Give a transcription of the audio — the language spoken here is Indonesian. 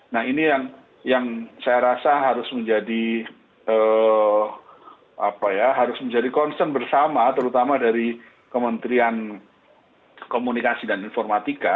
nah ini yang saya rasa harus menjadi concern bersama terutama dari kementerian komunikasi dan informatika